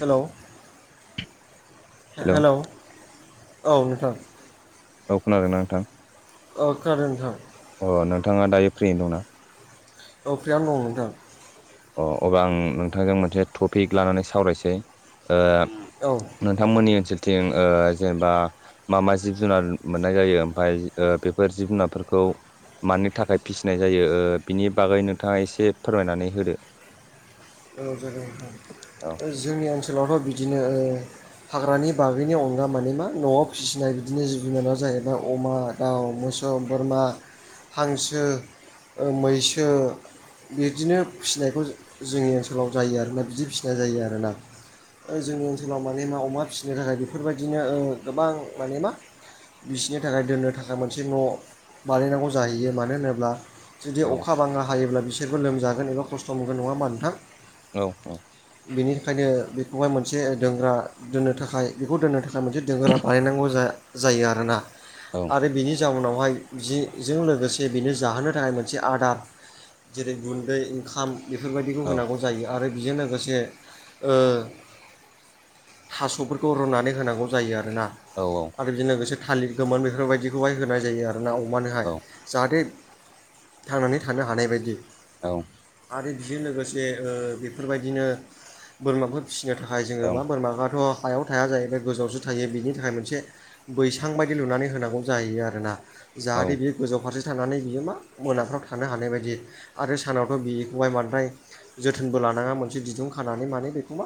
Hello. Hello औ नोंथां। औ खोनादों ना नोंथां? ओ खोनादों नोंथां। अ नोंथाङा दायो फ्रियैनो दंना? औ फ्रियावनो दं नोंथां। अ अबा आं नोंथांजों मोनसे टपिक लानानै सावरायसै ओ औ। नोंथांमोननि ओनसोलथिं ओ जेनेबा मा मा जिब जुनार मोननाय जायो ओमफाय ओ बेफोर जिब जुनारफोरखौ मानि थाखाय फिसिनाय जायो ओ बिनि बागै नोंथाङा एसे फोरमायनानै होदो। औ जागोन नोंथां। औ। जोंनि ओनसोलावथ' बिदिनो ओ हाग्रानि बागैनि अनगा माने मा न'आव फिसिनाय बिदिनो जिब जुनारा जाहैबाय अमा। दाउ, मोसौ, बोरमा, हांसो, मैसो। बिदिनो फिनायखौ जोंनि ओनसोलाव जायो आरोना बिदि फिसिनाय जायो आरोना। ओ जोंनि ओनसोलाव माने मा अमा फिसिनो थाखाय बेफोरबायदिनो ओ गोबां माने मा बिसिनि थाखाय दोननो थाखाय मोनसे न' बानायनांगौ जाहैयो मानो होनोब्ला जुदि औ अखा बाङा हायोब्ला बिसोरबो लोमजागोन एबा खस्थ' मोनगोन नङा होमबा नोंथां। औ औ। बेनि थाखायनो बेखौहाय मोनसे दोंग्रा दोननो थाखाय बेखौ दोननो थाखाय मोनसे दोंग्रा बानायनांगौ जा जायो आरोना। औ। आरो बिनि जाउनावहाय जिजों लोगोसे बेनो जाहोनो थाखाय मोनसे आदार। जेरै गुन्दै ओंखाम बेफोरबायदिखौ होनांगौ। जायो आरो बेजों लोगोसे ओ थास'फोरखौ रुनानै होनांगौ जायो आरोना। औ औ। आरो बिदिजों लोगोसे थालिर गोमोन बेफोरबायदिखौहाय होनाय जायो आरो ना अमानोहाय जाहाथे थांनानै थानो हानाय बायदि। औ। आरो बेजों लोगोसे ओ बेफोरबायदिनो बोरमाफोर फिसिनो थाखाय जोंङो औ मा बोरमाफोराथ' हायाव थाया जाहैबाय गोजौआवसो थायो बिनि थाखाय मोनसे बैसां बायदि लुनानै होनांगौ जाहैयो आरोना जाहाथे बे गोजौ फारसे थानानै बियो मा मोनाफ्राव थानो हानाय बायदि आरो सानावथ' बिखौहाय बांद्राय जोथोनबो लानाङा मोनसे दिदुं खानानै माने बेखौ मा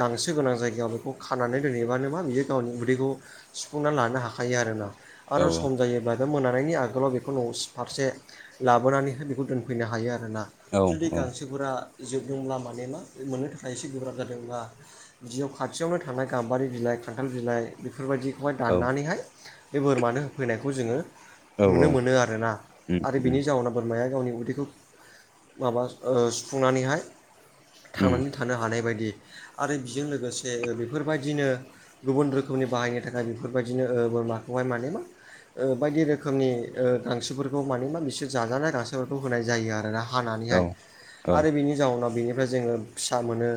गांसो गोनां जायगायाव बेखौ खानानै दोनहैबानो मा बियो गावनि उदैखौ सुफुंना लानो हाखायो आरोना औ आरो औ सम जायोबा बे मोनानायनि आगोलाव बेखौ न' फारसे लाबोनानै बेखौ दोनफैनो हायो आरोना। जुदि गांसोफोरा जोबदोंब्ला माने मा मोननो थाखाय एसे गोब्राब जादोंब्ला जियाव खाथियावनो थानाया गाम्बारि बिलाइ खान्थाल बिलाइ। बेफोरबायदिखौहाय औ दानानैहाय बे बोरमानो होफैनायखौ जोंङो नुनो मोनो आरोना आरो बिनि जाउनाव बोरमाया गावनि उदैखौ माबा ओ सुफुंनानैहाय थांनानै थानो हानाय बायदि आरो बेजों लोगोसे ओ बेफोरबायदिनो गुबुन रोखोमनि बाहायनो थाखाय बेफोरबायदिनो ओ बोरमाखौहाय माने मा बायदि रोखोमनि गांसोफोरखौ माने बिसोर जाजानाय गांसोफोरखौ होनाय जायो आरोना। हानानैहाय आरो बिनि जाउनाव बेनिफ्राय जोङो फिसा मोनो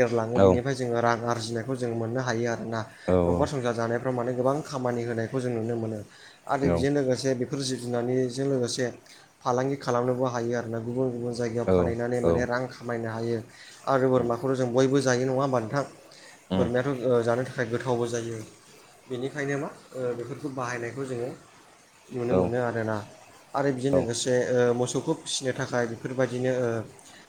एरलाङो बेनिफ्राय जोङो रां आरजिनायखौ जों मोननो हायो आरोना औ न'खर संसार जानाय फोर माने गोबां खामानि होनायखौ जों नुनो मोनो। आरो औ बेजों लोगोसे बे फोर जिब जुनारनिजों लोगोसे फालांगि खालामनोबो हायो आरोना गुबुन-गुबुन जायगायाव औ फानहैनानै माने रां खामायनो हायो आरो उम बोरमाखौथ' जों बयबो जायो नङा होमबा नोंथां उम बोरमायाथ' जानो थाखाय फ्राय गोथावबो जायो बेनिखायनो मा बेफोरखौ बाहायनायखौ जोङो नुनो औ मोनो आरोना। आरो बेजों औ लोगोसे मोसौखौ फिसिनो थाखाय बेफोरबायदि बिदिनो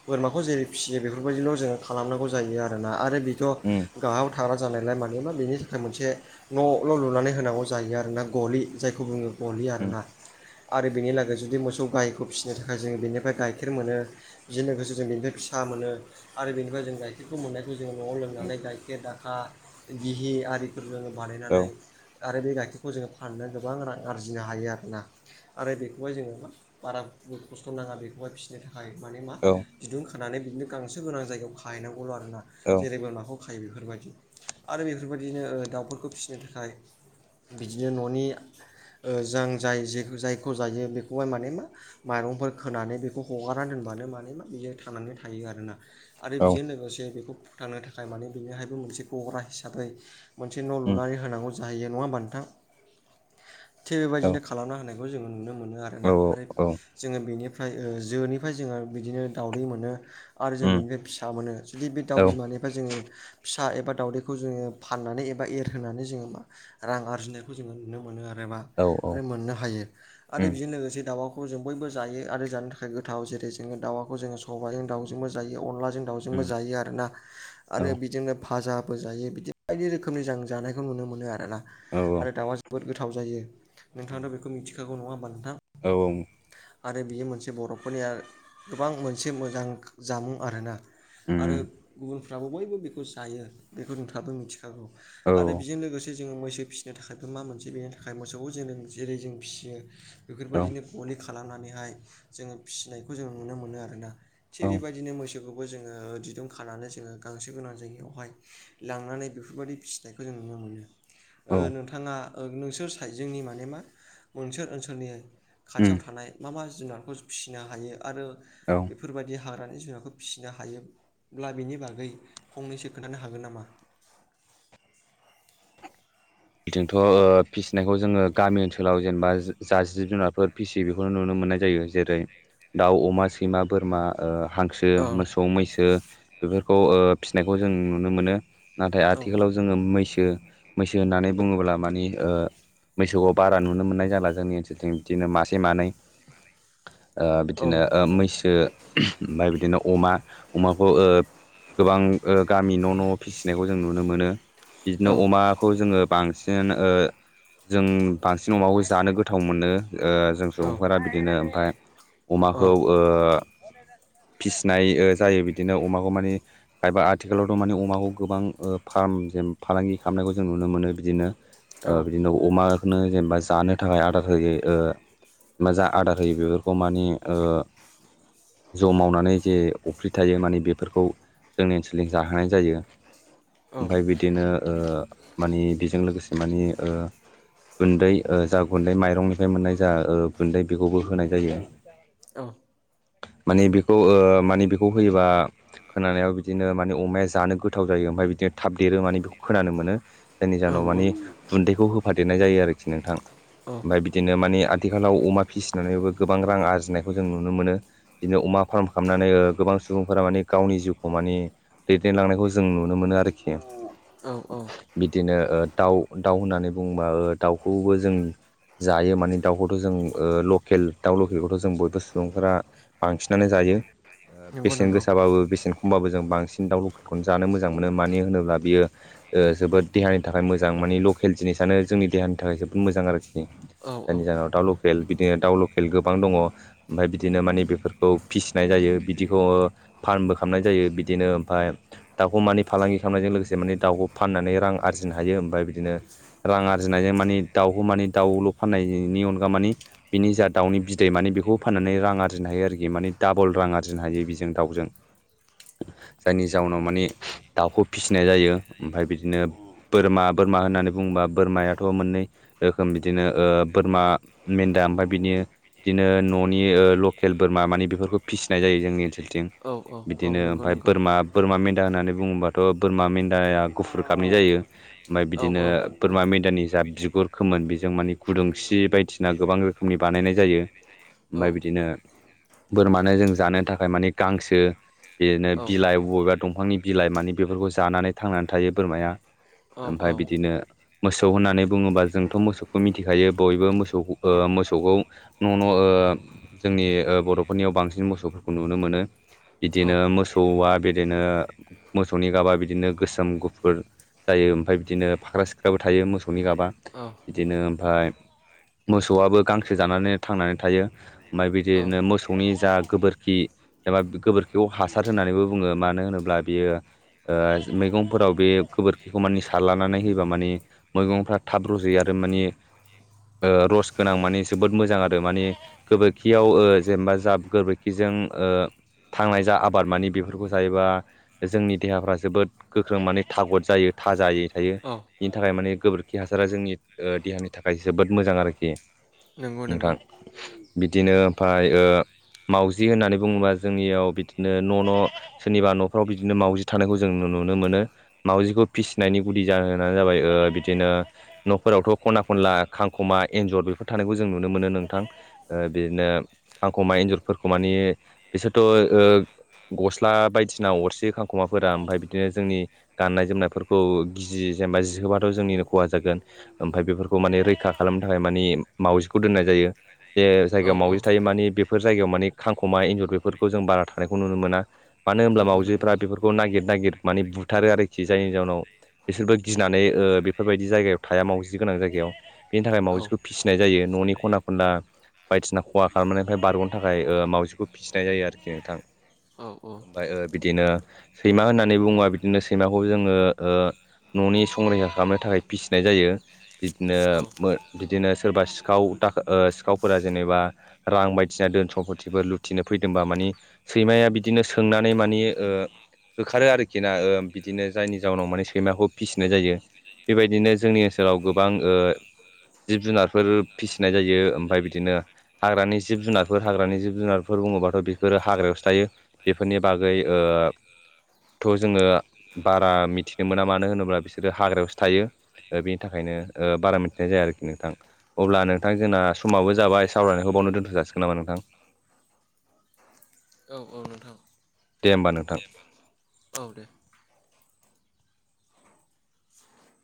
बोरमाखौ जेरै फियो बेफोरबायदिल' जोङो खालामनांगौ जायो आरोना आरो बेखौ' उम गाहायाव थाग्रा जानायलाय मानोमा बेनि थाखाय मोनसे न' ल' लुनानै होनांगौ जायो आरो ना गलि जायखौ बुङो गलि उम आरोना आरो बेनिलागै जुदि मोसौ गायखौ फिसिनो थाखाय जोङो बेनिफ्राय गाय गाइखेर मोनो बिदिजों लोगोसे जों बेनिफ्राय फिसा मोनो आरो बेनिफ्राय जों गाइ बेखौ मोननायखौ जोङो न'आव उम लोंनानै गाइखेर दाखा गिहि आरिफोर जोङो औ बानायनानै आरो बे गाइखेरखौ जोङो फाननो गोबां रां आरजिनो हायो आरोना। आरो बेखौहाय जोङो बारा खस्थ' नाङा बेखौहाय फिसि माने मा औ दिरुं खानानै बिदिनो गांसो गोनां जायगायाव खाहैनांगौल' आरो ना औ जेरै बोरमाखौ खायो बेफोरबायदि आरो बेफोरबायदिनो दाउफोरखौ फिसिनो थाखाय बिदिनो न'नि जों जाय जे जायखौ जायो बेखौहाय माने मा माइरंफोर होनानै बेखौ हगारना दोनबानो माने मा बियो थानानै थायो आरोना। आरो औ बेजों लोगोसे बेखौ फोथांनो थाखाय माने बेनिहायबो मोनसे गग्रा हिसाबै मोनसे न' उम लुनानै होनांगौ जाहैयो नङा होमबाथ नोंथां थिग औ बेबायदिनो खालामना होनायखौ जोङो नुनो मोनो आरो। औ आरोना आरो औ जोङो बेनिफ्राय जोनिफ्राय जोङो बिदिनो दावउदै मोनो आरो जों उम बेनिफ्राय फिसा मोनो जुदि बे औ दाउ बिमानि बा जोङो फिसा एबा दावउदैखौ जोङो फाननानै एबा एरहोनानै जोङो मा रां आरजिनायखौ जोङो नुनो मोनो आरोबा औ आरो मोननो हायो आरो उम बेजों लोगोसे दाबाखौ जों बयबो जायो आरो जानो थाखाय आखाइ गोथाव जेरै, जोङो दाउखौ जोङो सबाजजों दाउजोंबो जायो, अनलाजों दाउजोंबो उम जायो आरो ना। औ उम औ उम औ आरो बिदिनो फाजाबो जायो बिदि बायदि रोखोमनि जों जानायखौ नुनो मोनो आरोना। औ आरो दाउआ जोबोद गोथाव जायो नोंथाङाथ' बेखौ मिथिखागौ नङा होमबा नोंथाङा? औ औ आरो बियो मोनसे बर'फोरनिया गोबां मोनसे मोजां जामुं आरोना। आरो गुबुनफ्राबो बयबो बेखौ जायो बेखौ नोंथाबो मिथिखागौ आरो बेजों लोगोसे जोङो मैसो फिसिनो थाखायबो मा मोनसे बेनि थाखाय मोसौखौ जों जेरै जों फिसियो बेफोरबायदिनो गलि खालामनानैहाय जोङो फिसिनायखौ जोङो नुनो मोनो आरोना। थिग बेबायदिनो मैसोखौ बो जोङो दिदुं खानानै जोङो गांसो गोनां जायगायावहाय लांनानै बेफोरबायदि फिसिनायखौ जों नुनो मोनो। औ नोंथाङा नोंसोर साइड जोंनि माने मा मोनसोर ओनसोलनि उम खाथियाव थानाय मा मा जुनारखौ फिसिनो हायो आरो औ बेफोरबायदि हाग्रानि जुनारखौ फिसिनो हायोब्ला बेनि बागै फंनैसो खोन्थानो हागोन नामा? बिथिंथ' फिसिनायखौ जोङो गामि ओनसोलाव जेनेबा जा जिब जुनारफोर फिसियो बेखौनो नुनो मोननाय जायो। जेरै -दाउ, अमा, सैमा, बोरमा, हांसो, औ मोसौ -मैसो बेफोरखौ फिसिनायखौ जों नुनो मोनो। नाथाय औ आथिखालाव जोङो मैसो मैसो होननानै बुङोब्ला मानि मैसोखौ बारा नुनो मोननाय जाला जोंनि ओनसोलथिं बिदिनो मासे मानै ओ औ बिदिनो ओ मैसो ओमफ्राय बिदिनो अमा अमाखौ गोबां गामि न' न' फिसिनायखौ जों नुनो मोनो। बिदिनो औ अमाखौ जोङो बांसिन जों ओ बांसिन अमाखौ जानो गोथाव मोनो। जों औ सुबुंफोरा बिदिनो ओमफ्राय औ अमाखौ ओ फिसिनाय जायो। बिदिनो अमाखौ माने खायफा आथिखालावथ' मानि अमाखौ गोबां फार्म जेन फालांगि खालामनायखौ जों नुनो मोनो बिदिनो। औ बिदिनो अमा नो जेनेबा जानो थाखाय आदार होयो। मा जा आदार होयो बेफोरखौ माने जौ मावनानै जे अफ्रि थायो माने बेफोरखौ जोंनि ओनसोलनि जाहोनाय जायो। औ ओमफ्राय बिदिनो माने जों लोगोसे माने गुन्दै जा गुन्दै माइरंनिफ्राय मोननाय जा गुन्दै बेखौबो होनाय जायो। औ। माने बेखौ माने बेखौ होयोबा खोनानायाव बिदिनो माने अमाया जानो गोथाव जायो। ओमफ्राय बिदिनो थाब देरो माने बेखौ खोनानो मोनो। जायनि जाहोनाव मानि गुन्दैखौ होफादेरनाय जायो आरोखि नोंथां। ओमफ्राय बिदिनो मानि आथिखालाव अमा फिसिनानैबो गोबां रां आरजिनायखौ जों नुनो मोनो। बिदिनो अमा फार्म खालामनानै गोबां सुबुंफोरा माने गावनि जिउखौ माने दैदेनलांनायखौ जों नुनो मोनो आरोखि। औ औ। बिदिनो दाउ दाउ होननानै बुङोबा दाउखौबो जों जायो। माने दाउखौथ' जों लकेल दाउ लकेलखौथ' जों बयबो सुबुंफोरा बांसिनानो जायो। नंगौ बेसेन नंगौ गोसाबाबो बेसेन खमबाबो जों बांसिन दाउ लकेलखौनो जानो मोजां मोनो। मानो होनोब्ला बियो जोबोद देहानि थाखाय मोजां मानि लकेल जिनिसानो जोंनि देहानि थाखाय जोबोद मोजां आरोखि। औ औ जायनि जाहोनाव दाउ लकेल बिदिनो दाउ लकेल गोबां दङ। ओमफ्राय बिदिनो मानि बेफोरखौ फिसिनाय जायो। बिदिखौ फार्मबो खालामनाय जायो बिदिनो ओमफाय दाउखौ माने फालांगि खालामनायजों लोगोसे माने दाउखौ फाननानै रां आरजिनो हायो। ओमफ्राय बिदिनो रां आरजिनायजों माने दाउखौ माने दाउल' फाननायनि अनगा माने बिनि जा दाउनि बिदै माने बेखौ फाननानै रां आरजिनो हायो आरोखि। माने डाबल रां आरजिनो हायो बिजों दाउजों। जायनि जाउनाव मानि दाउखौ फिसिनाय जायो। ओमफ्राय बिदिनो बोरमा बोरमा होननानै बुङोबा बोरमायाथ' मोननै रोखोम बिदिनो बोरमा मेन्दा ओमफ्राय बिदि बिदिनो न'नि लकेल बोरमा मानि बेफोरखौ फिसिनाय जायो जोंनि ओनसोल थिं। औ औ औ बिदिनो नंगौ ओमफ्राय नंगौ बोरमा बोरमा मेन्दा होननानै बुङोबाथ' बोरमा मेन्दाया गुफुर गाबनि जायो। ओमफ्राय औ बिदिनो औ बोरमा मेन्दानि जा बिगुर खोमोन बेजों मानि गुदुंसि बायदिसिना गोबां रोखोमनि बानायनाय जायो। औ ओमफ्राय बिदिनो बोरमानो जों जानो थाखाय मानि गांसो बिदिनो औ बिलाइ बबेबा दंफांनि बिलाइ माने बेफोरखौ जानानै थांनानै थायो बोरमाया। औ ओमफ्राय बिदिनो मोसौ होननानै बुङोबा जोंथ' मोसौखौ मिथिखायो बयबो मोसौ मोसौखौ न' न' जोंनि बर'फोरनियाव बांसिन मोसौफोरखौ नुनो मोनो। बिदिनो मोसौआ बिदिनो मोसौनि गाबा बिदिनो गोसोम, गुफुर जायो। ओमफ्राय बिदिनो फाख्रा सिख्राबो थायो मोसौनि गाबा बिदिनो ओमफ्राय मोसौआबो गांसो जानानै थांनानै थायो। ओमफ्राय औ बिदिनो मोसौनि जा गोबोरखि जेनेबा गोबोरखिखौ हासार होननानैबो बुङो। मानो होनोब्ला बेयो ओ मैगंफोराव बे गोबोर खिखौ मानि सारलानानै होयोबा माने मैगंफ्रा थाब रजयो आरो माने ओ रस गोनां माने जोबोद मोजां आरो मानि गोबोरखियाव ओ जेनेबा जाब गोबोरखिजों ओ थांनाय जा आबाद मानि बेफोरखौ जायोबा जोंनि देहाफ्रा जोबोद गोख्रों माने थागद जायो थाजायै थायो। औ बिनि थाखाय माने गोबोरखि हासारा जोंनि देहानि ओ थाखाय जोबोद मोजां आरोखि। नंगौ नोंथां नंगौ। बिदिनो ओमफाय ओ मावाउजि होननानै बुङोबा जोंनियाव बिदिनो न' न' सोरनिबा न'फ्राव बिदिनो मावजि थानायखौ जों नुनो मोनो मावजिखौ फिसिनायनि गुदि जाहोनानो जाबाय ओ बिदिनो न'फोरावथ' खना खनला खांखमा एन्जर बेफोर थानायखौ जों नुनो मोनो नोंथां। ओ बिदिनो खांख'मा एन्जरफोरखौ मानि बिसोरथ' ओ गस्ला बायदिसिना अरसियो खांख'माफोरा ओमफाय बिदिनो जोंनि गाननाय जोमनायफोर खौ गिजि जेनेबा जिहोबाथ' जोंनिनो खहा जागोन। ओमफाय बेफोरखौ माने रैखा खालामनो थाखाय मानि मावजिखौ दोननाय जायो। जे औ जायगायाव औ माबि थायो मानि बेफोर जायगायाव मानि खांख'मा एन्जर बेफोरखौ जों बारा थानायखौ नुनो मोना। मानो होनब्ला नंगौ नंगौ मावजिफ्रा बेफोरखौ नागिर नागिर माने बुथारो आरोखि जायनि जाउनाव बिसोरबो गिनानै ओ बेफोरबायदि जायगायाव थाया मावजि गोनां जायगायाव। बेनि थाखाय औ मावजिखौ फिसिनाय जायो न'नि खना खनला बायदिसिना खहा खालामनायनिफ्राय बारग'नो थाखाय ओ मावजिखौ फिसिनाय जायो आरोखि नोंथां। औ औ। ओमफाय ओ बिदिनो सैमा होननानै बुङोबा बिदिनो सैमाखौ जोङो ओ न'नि संरैखा खालामनो थाखाय फिसिनाय जायो। बिदिनो औ मो बिदिनो सोरबा सिखाव दा ओ सिखावफोरा जेनेबा रां बायदिसिना दोन सम्फतिफोर लुथिनो फैदोंबा मानि सैमाया बिदिनो सोंनानै मानि ओ होखारो आरोखि ना ओ बिदिनो जायनि जाउनाव माने सैमाखौ फिसिनाय जायो बेबायदिनो जोंनि ओनसोलाव गोबां ओ जिब जुनारफोर फिसिनाय जायो ओमफाय बिदिनो हाग्रानि जिब जुनारफोर हाग्रानि जिब जुनारफोर बुङोबाथ' बेफोरो हाग्रायावसो थायो। बेफोरनि बागै ओ थ' जोङो बारा मिथिनो मोना मानो होनोब्ला बिसोरो हाग्रायावसो थायो। ओ बेनि थाखायनो ओ बारा मिथिनाय जाया आरोखि नोंथां। अब्ला नोंथां जोंना समाबो जाबाय सावरायनायखौ बेवावनो दोनथ'जासिगोन नामा नोंथां? औ औ नोंथां। दे होमबा नोंथां। औ दे।